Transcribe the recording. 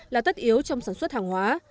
là tất yếu trong sản xuất hàng hóa